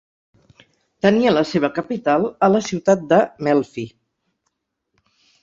Tenia la seva capital a la ciutat de Melfi.